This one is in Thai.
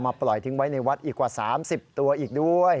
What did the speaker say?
ปล่อยทิ้งไว้ในวัดอีกกว่า๓๐ตัวอีกด้วย